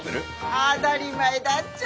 当たり前だっちゃ！